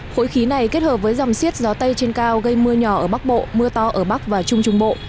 khối khí này kết hợp với dòng siết gió tây trên cao gây mưa nhỏ ở bắc bộ mưa to ở bắc và trung trung bộ